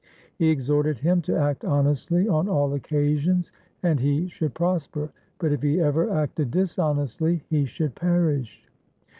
He exhorted him to act honestly on all occasions and he should prosper, but if he ever acted dishonestly he should perish.